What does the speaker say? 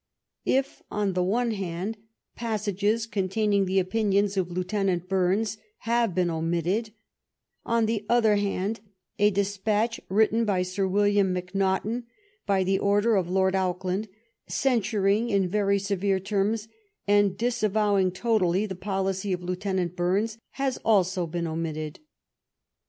... If, on the one hand, passages con taining the opinions of Lieutenant Bumes have been omitted, on the other hand, a despatch written by Sir William Macnaghten, by the order of Lord Auckland, censuring m very severe terms and disavow ing totally the policy of Lieutenant Bumes, has also been omitted.